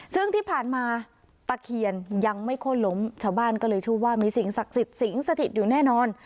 ซึ่งที่ผ่านมาตะเคียนยังไม่โค้นล้มชาวบ้านก็เลยเชื่อว่ามีสิ่งศักดิ์สิทธิ์สิงสถิตอยู่แน่นอน